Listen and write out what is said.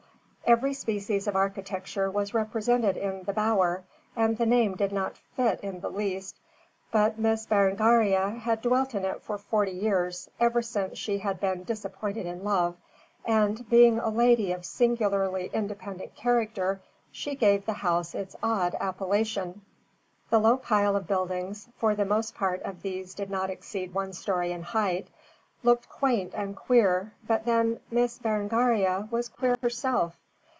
Every species of architecture was represented in "The Bower," and the name did not fit it in the least. But Miss Berengaria had dwelt in it for forty years ever since she had been disappointed in love and, being a lady of singularly independent character, she gave the house its odd appellation. The low pile of buildings for the most part of these did not exceed one story in height looked quaint and queer, but then Miss Berengaria was queer herself.